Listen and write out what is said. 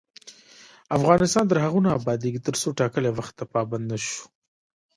افغانستان تر هغو نه ابادیږي، ترڅو ټاکلي وخت ته پابند نشو.